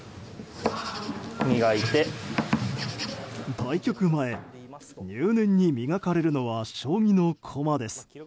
対局前、入念に磨かれるのは将棋の駒です。